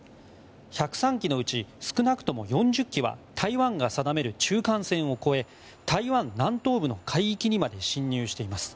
１０３機のうち少なくとも４０機は台湾が定める中間線を越え台湾南東部の海域にまで侵入しています。